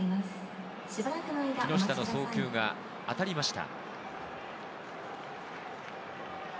木下の送球が当たりました。